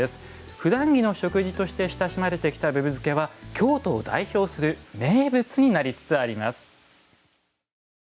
ふだん着の食事として親しまれてきた、ぶぶ漬けは京都を代表する名物になりつつあります。